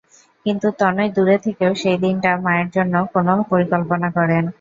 কিন্তু তনয় দূরে থেকেও সেই দিনটা মায়ের জন্য কোনো পরিকল্পনা করেন।